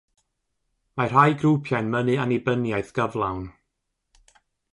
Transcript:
Mae rhai grwpiau'n mynnu annibyniaeth gyflawn.